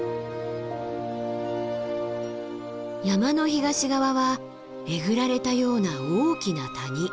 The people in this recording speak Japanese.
山の東側はえぐられたような大きな谷。